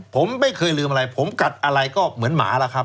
ผมไม่เคยลืมอะไรผมกัดอะไรก็เหมือนหมาล่ะครับ